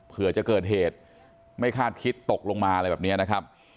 เผื่อจะเกิดเหตุไม่คาดคิดตกลงมาอะไรแบบนี้นะครับ